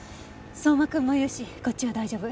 相馬君もいるしこっちは大丈夫。